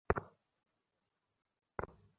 আমাদের রাজকন্যাকে খুঁজতে হবে।